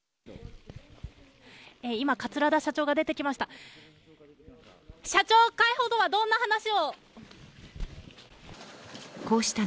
今桂田社長が出てきました。